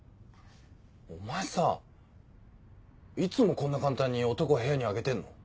お前さぁいつもこんな簡単に男を部屋に上げてんの？